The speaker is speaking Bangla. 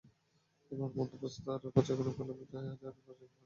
এভাবে মন্দাবস্থা আরও বছরখানেক প্রলম্বিত হলে হাজার হাজার প্রবাসীকে দেশে ফিরতে হবে।